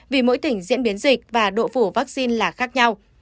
vì mỗi tỉnh diễn biến dịch và độ phủ vaccine là khác nhau